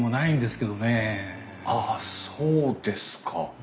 あそうですか。